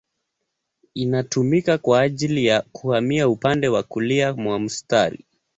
Inatumika kwa ajili ya kuhamia upande wa kulia mwa mstari.